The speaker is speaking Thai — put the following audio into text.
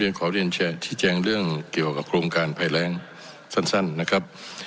ขอเรียนชี้แจงเรื่องเกี่ยวกับโครงการภัยแรงสั้นนะครับ